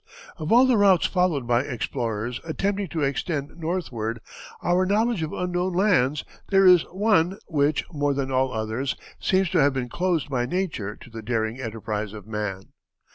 Of all the routes followed by explorers attempting to extend northward our knowledge of unknown lands, there is one which, more than all others, seems to have been closed by nature to the daring enterprise of man.